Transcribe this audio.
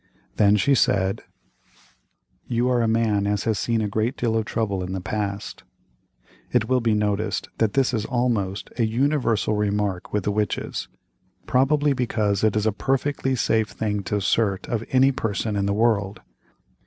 Then she said: "You are a man as has seen a great deal of trouble in the past." It will be noticed that this is almost a universal remark with the witches, probably because it is a perfectly safe thing to assert of any person in the world.